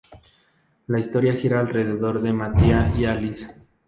La historia gira alrededor de Mattia y Alice.